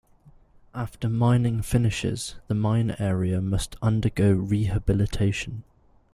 After mining finishes, the mine area must undergo rehabilitation.